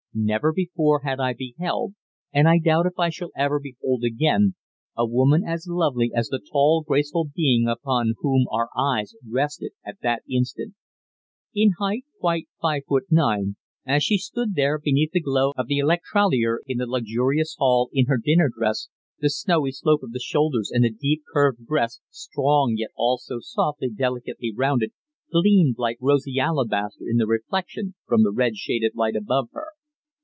Never before had I beheld, and I doubt if I shall ever behold again, a woman as lovely as the tall, graceful being upon whom our eyes rested at that instant. In height quite five foot nine, as she stood there beneath the glow of the electrolier in the luxurious hall, in her dinner dress, the snowy slope of the shoulders and the deep, curved breast, strong, yet all so softly, delicately rounded, gleamed like rosy alabaster in the reflection from the red shaded light above her.